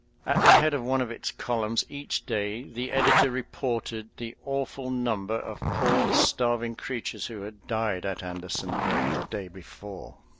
At the head of one of its columns each day the editor reported the awful number of poor starving creatures who had died at Andersonville the day before.